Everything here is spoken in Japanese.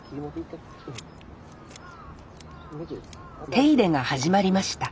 手入れが始まりました